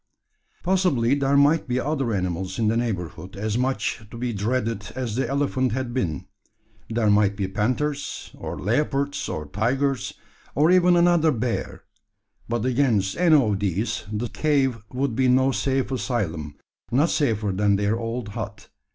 Possibly there might be other animals in the neighbourhood as much to be dreaded as the elephant had been. There might be panthers, or leopards, or tigers, or even another bear; but against any of these the cave would be no safe asylum not safer than their old hut.